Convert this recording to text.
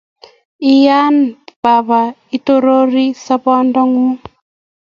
Iye baba itororin sobondanyu